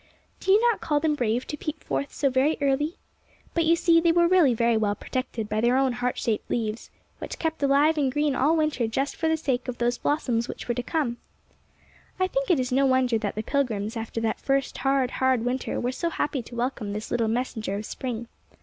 '' Do you not call them brave to peep forth so very early? But, you see, they were really very well protected by their own heart shaped leaves, which kept alive and green all winter just for the sake of those blossoms which were to come. '' I think it is no wonder that the Pilgrims, after that first hard, hard winter, were so happy to welcome this little messenger of spring.